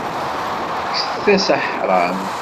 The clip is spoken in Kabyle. Kkset-as aḥram.